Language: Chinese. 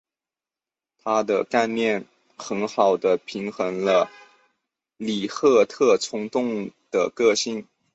她的干练很好地平衡了里赫特冲动的个性。